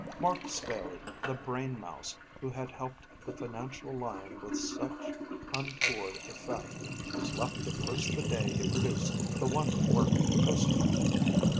Mark Spayley, the brainmouse who had helped the financial lion with such untoward effect, was left to curse the day he produced the wonder working poster.